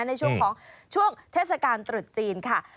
ในช่วงเทศกาลตลอดจีนค่ะ